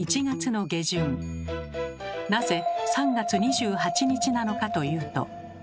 なぜ３月２８日なのかというと。